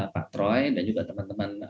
pak troy dan juga teman teman